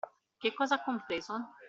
Che cosa ha compreso?